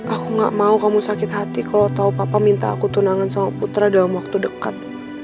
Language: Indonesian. aku gak mau kamu sakit hati kalau tau papa minta aku tunangan sama putra dalam waktu dekat